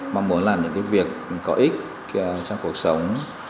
mong muốn làm những việc có ích trong cuộc sống